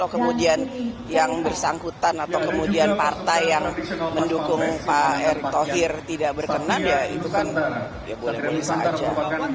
kemudian partai yang mendukung pak erick thohir tidak berkenan ya itu kan boleh boleh saja